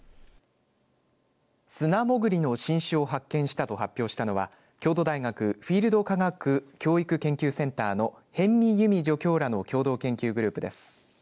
スナモグリの新種を発見したと発表したのは京都大学フィールド科学教育研究センターの邉見由美助教らの共同研究グループです。